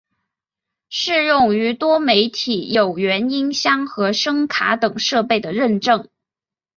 适用于多媒体有源音箱和声卡等设备的认证。